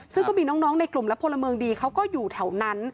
ซึ่งก็มีน้องในกลุ่มและพลเมืองดีเขาก็อยู่แถวนั้น